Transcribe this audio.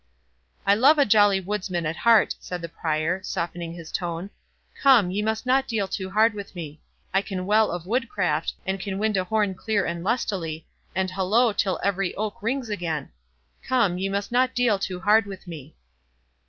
"I love a jolly woodsman at heart," said the Prior, softening his tone; "come, ye must not deal too hard with me—I can well of woodcraft, and can wind a horn clear and lustily, and hollo till every oak rings again—Come, ye must not deal too hard with me."